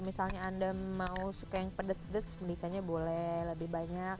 misalnya anda mau suka yang pedes pedes medicanya boleh lebih banyak